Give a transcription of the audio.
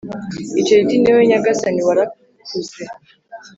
icyo giti ni wowe nyagasani Warakuze